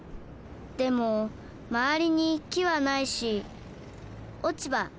でもまわりに木はないし落ち葉